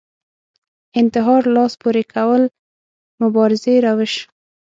انتحار لاس پورې کول مبارزې روش